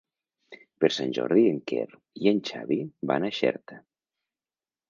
Per Sant Jordi en Quer i en Xavi van a Xerta.